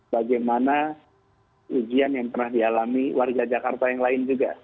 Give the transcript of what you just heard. bagaimana ujian yang pernah dialami warga jakarta yang lain juga